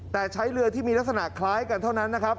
แต่ใช้เรือที่มีลักษณะคล้ายกันเท่านั้นนะครับ